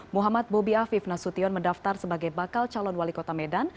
muhammad bobi afif nasution mendaftar sebagai bakal calon wali kota medan